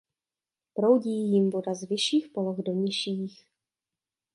Proudí jím voda z vyšších poloh do nižších.